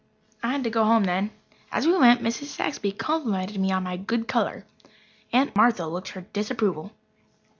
I had to go home then. As we went Mrs. Saxby complimented me on my good colour. Aunt Martha looked her disapproval.